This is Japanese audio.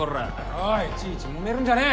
おいいちいちもめるんじゃねぇ！